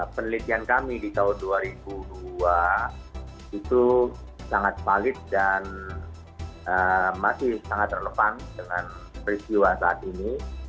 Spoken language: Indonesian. penelitian kami di tahun dua ribu dua itu sangat valid dan masih sangat relevan dengan peristiwa saat ini